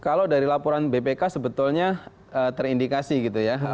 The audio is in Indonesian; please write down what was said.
kalau dari laporan bpk sebetulnya terindikasi gitu ya